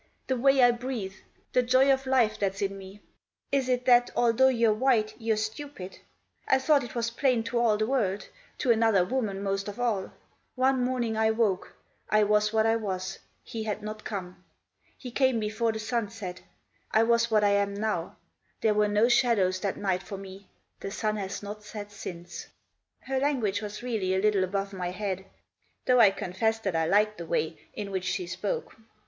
the way I breathe? the joy of life that's in me? Is it that, although you're white, you're stupid ? I thought it was plain to all the world ; to another woman most of all. One morning I woke ; I was what I was ; he had not come. He came before the sun set ; I was what I am now ; there were no shadows that night for me ; the sun has not set since." Her language was really a little above my head. Though I confess that I liked the way in which she spoke.